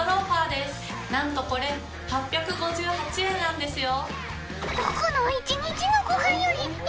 なんとこれ８５８円なんですよ。